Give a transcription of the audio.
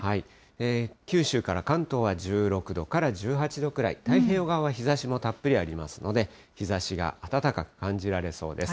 九州から関東は１６度から１８度くらい、太平洋側は日ざしもたっぷりありますので、日ざしが暖かく感じられそうです。